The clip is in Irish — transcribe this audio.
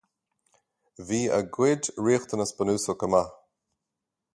Bhí a gcuid riachtanas bunúsach go maith.